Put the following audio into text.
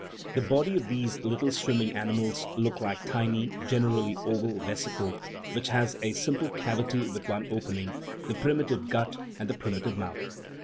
The body of these little swimming animals looks like a tiny (generally oval) vesicle, which has a simple cavity with one opening the prim itive gut and the primitive mouth.